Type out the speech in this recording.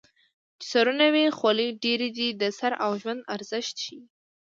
چې سرونه وي خولۍ ډېرې دي د سر او ژوند ارزښت ښيي